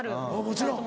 もちろん。